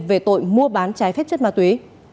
về tội mua bán trái phép chất ma túy